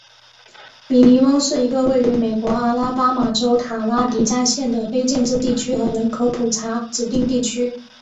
米尼翁是一个位于美国阿拉巴马州塔拉迪加县的非建制地区和人口普查指定地区。